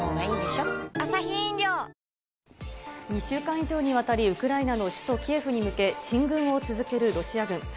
２週間以上にわたり、ウクライナの首都キエフに向け進軍を続けるロシア軍。